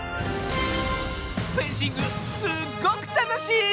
フェンシングすっごくたのしい！